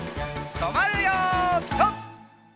とまるよピタ！